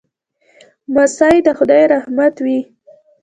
لمسی د خدای رحمت وي.